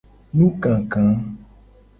Nukaka.